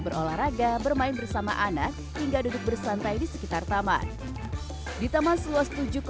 berolahraga bermain bersama anak hingga duduk bersantai di sekitar taman di taman seluas